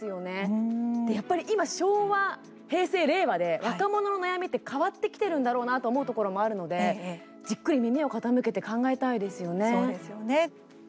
やっぱり今、昭和、平成、令和で若者の悩みって変わってきてるんだろうなと思うところもあるのでじっくり耳をそうですよね。